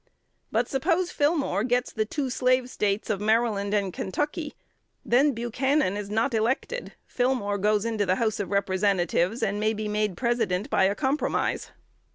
But suppose Fillmore gets the two Slave States of Maryland and Kentucky; then Buchanan is not elected: Fillmore goes into the House of Representatives, and may be made President by a compromise.